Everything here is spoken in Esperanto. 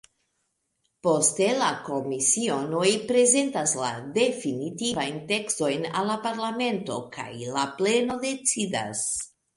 Poste la komisionoj prezentas la definitivajn tekstojn al la parlamento, kaj la pleno decidas.